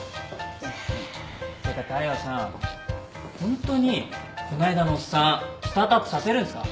てか大陽さんホントにこの間のおっさんスタートアップさせるんすか？